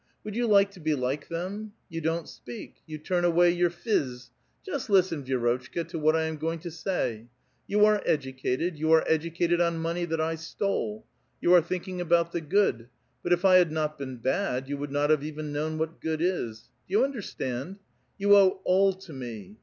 Would you like to be like them ? You don't speak ! You turn away your phiz ! Just listen, Vi^rotchka, to what I am going to say ! You are educated ; you are educated on money that I stole. You are thinking about the good ; but if I had not been bad, you would not have even known what good is. Do you understand? You owe ALL to me.